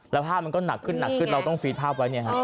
แล้วภาพมันก็หนักขึ้นเราต้องฟีดภาพไว้